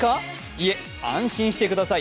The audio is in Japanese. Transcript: いえ、安心してください。